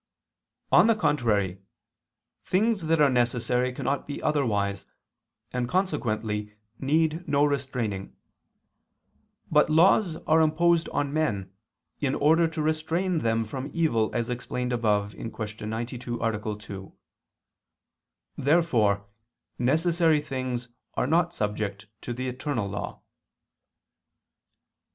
On the contrary, Things that are necessary cannot be otherwise, and consequently need no restraining. But laws are imposed on men, in order to restrain them from evil, as explained above (Q. 92, A. 2). Therefore necessary things are not subject to the eternal law.